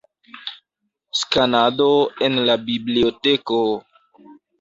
Skanado en la biblioteko.